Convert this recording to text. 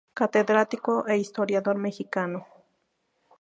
Catedrático e historiador mexicano.